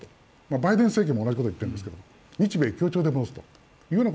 バイデン政権も同じことを言っているんですけど、日米共通でと。